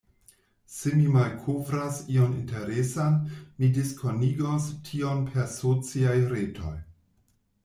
Se mi malkovras ion interesan, mi diskonigos tion per sociaj retoj.